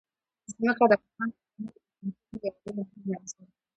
ځمکه د افغان کورنیو د دودونو یو ډېر مهم عنصر دی.